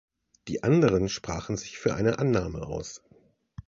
Die anderen sprachen sich für eine Annahme aus.